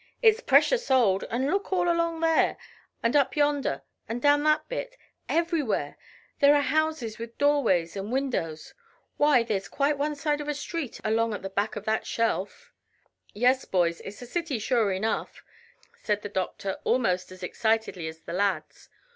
"It's precious old; but look all along there, and up yonder, and down that bit everywhere, there are houses with doorways and windows. Why, there's quite one side of a street along at the back of that shelf." "Yes, boys; it's a city, sure enough," said the doctor almost as excitedly as the lads.